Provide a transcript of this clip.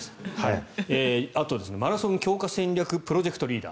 あと、マラソン強化戦略プロジェクトリーダー。